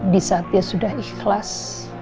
di saat dia sudah ikhlas